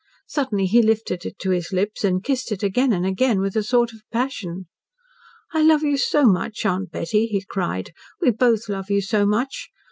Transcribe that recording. Suddenly he lifted it to his lips, and kissed it again and again with a sort of passion. "I love you so much, Aunt Betty," he cried. "We both love you so much.